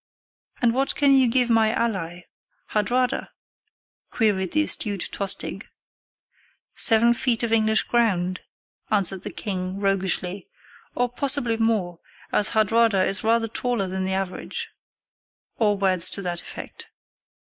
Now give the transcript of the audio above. "And what can you give my ally, Hardrada?" queried the astute Tostig. "Seven feet of English ground," answered the king, roguishly, "or possibly more, as Hardrada is rather taller than the average," or words to that effect.